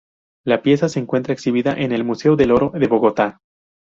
La pieza se encuentra exhibida en el Museo del Oro de Bogotá.